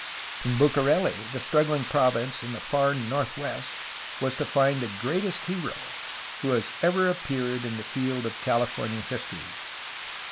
In Bucareli the struggling province in the far northwest was to find the greatest hero who has ever appeared in the field of Califor nia history.